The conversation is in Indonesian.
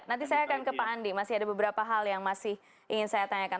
nanti saya akan ke pak andi masih ada beberapa hal yang masih ingin saya tanyakan